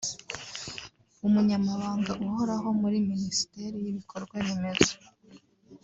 umunyamabanga uhoraho muri Minisiteri y’ibikorwa remezo